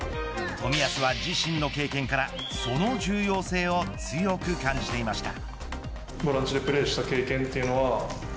冨安は自身の経験からその重要性を強く感じていました。